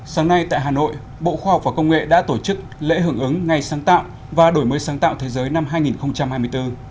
sáng nay tại hà nội bộ khoa học và công nghệ đã tổ chức lễ hưởng ứng ngày sáng tạo và đổi mới sáng tạo thế giới năm hai nghìn hai mươi bốn